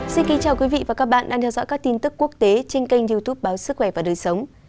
xin kính chào quý vị và các bạn đang theo dõi các tin tức quốc tế trên kênh youtube báo sức khỏe và đời sống